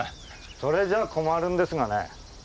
それじゃあ困るんですがね。